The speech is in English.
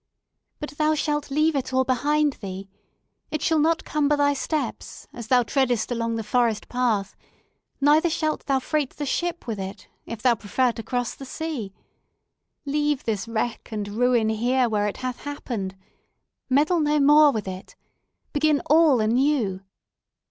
"But thou shalt leave it all behind thee! It shall not cumber thy steps, as thou treadest along the forest path: neither shalt thou freight the ship with it, if thou prefer to cross the sea. Leave this wreck and ruin here where it hath happened. Meddle no more with it! Begin all anew!